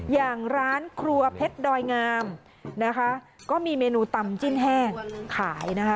อย่างร้านครัวเพชรดอยงามนะคะก็มีเมนูตำจิ้นแห้งขายนะคะ